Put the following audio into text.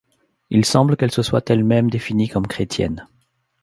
Il semble qu'elle se soit elle-même définie comme chrétienne.